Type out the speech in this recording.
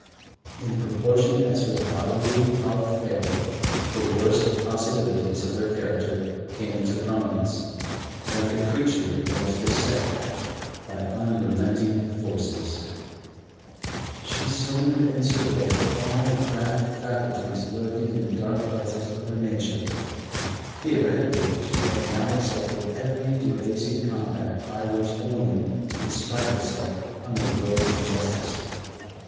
In proportion as her bodily health failed, the worst possibilities of her character came into prominence. Like a creature that is beset by unrelenting forces, she summoned and surveyed all the craft faculties lurking in the dark places of her nature; theoretically she had now accepted every debasing compact by which a woman can spite herself on the world's injustice.